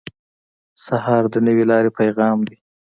سهار د نوې لارې پیغام دی.